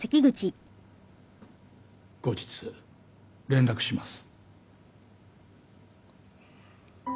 後日連絡します。